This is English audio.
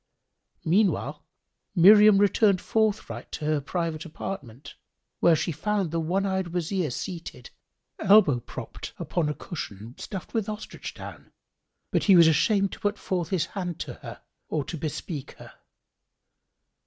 Meanwhile, Miriam returned forthright to her private apartment, where she found the one eyed Wazir seated, elbow propt upon a cushion stuffed with ostrich down; but he was ashamed to put forth his hand to her or to bespeak her.